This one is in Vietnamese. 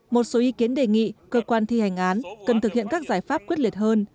một số ý kiến đề nghị cơ quan thi hành án cần thực hiện các giải pháp quyết liệt hơn